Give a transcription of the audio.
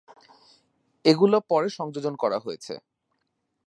এগুলো পরে সংযোজন করা হয়েছে।